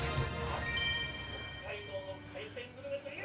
北海道の海鮮グルメといえば。